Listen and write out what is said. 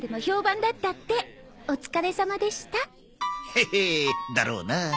ヘヘッだろうな。